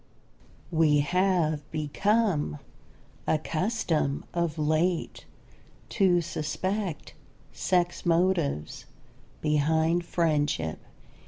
We have become accustomed of late to suspect sex motives behind friendship.